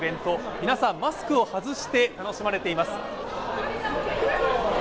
皆さん、マスクを外して楽しまれています。